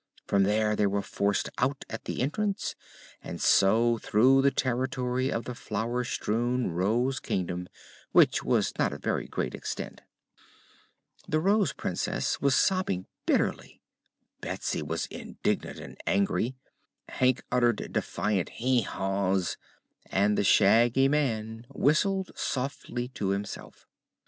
From there they were forced out at the entrance and so through the territory of the flower strewn Rose Kingdom, which was not of very great extent. The Rose Princess was sobbing bitterly; Betsy was indignant and angry; Hank uttered defiant "Hee haws" and the Shaggy Man whistled softly to himself.